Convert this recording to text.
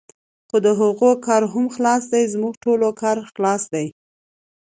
خو د هغوی کار هم خلاص دی، زموږ ټولو کار خلاص دی.